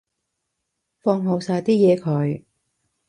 放好晒啲嘢佢